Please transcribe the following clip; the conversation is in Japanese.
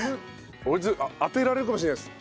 俺当てられるかもしれないです。